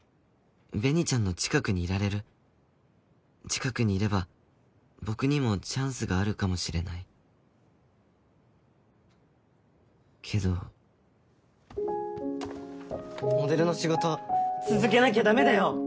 紅ちゃんの近くにいられる近くにいれば僕にもチャンスがあるかもしれないけどモデルの仕事続けなきゃダメだよ！